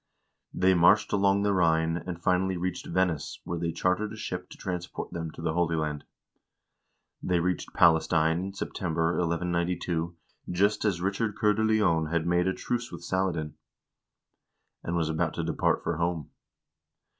They marched along the Rhine, and finally reached Venice, where they chartered a •ship to transport them to the Holy Land. They reached Palestine in September, 1192, just as Richard Cceur de Lion had made a truce with Saladin, and was about to depart for home.